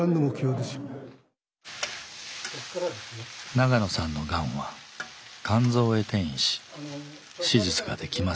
長野さんのがんは肝臓へ転移し手術ができません。